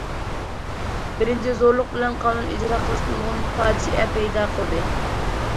بىرىنچى، زورلۇق بىلەن قانۇن ئىجرا قىلىش نۇرغۇن پاجىئە پەيدە قىلدى.